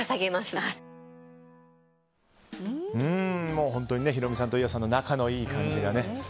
もう本当にヒロミさんと伊代さんの仲のいい感じがね。